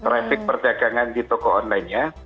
resik perdagangan di toko online nya